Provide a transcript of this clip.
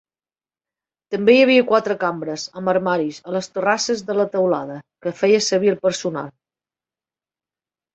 També hi havia quatre cambres amb armaris a les torrasses de la teulada, que feia servir el personal.